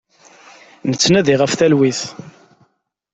Nettnadi ɣef talwit.